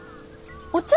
お茶？